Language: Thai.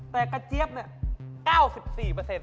แต่กระเจี๊ยบเนี่ย๙๔